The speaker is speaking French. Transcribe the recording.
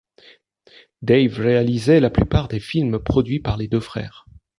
Dave réalisait la plupart des films produits par les deux frères.